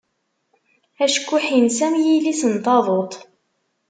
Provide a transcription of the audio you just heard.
Acekkuḥ-ines am yilis n taduḍt.